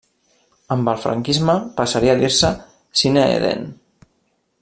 Amb el franquisme passaria a dir-se Cine Edén.